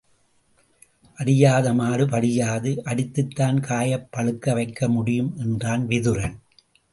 அடியாத மாடு படியாது அடித்துத்தான் காயைப் பழுக்க வைக்க முடியும் என்றான் விதுரன்.